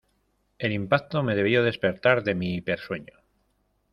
El impacto me debió despertar de mi hipersueño.